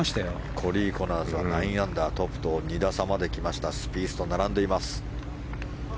コーリー・コナーズは９アンダートップと２打差まで来ましたスピースと並んでいます。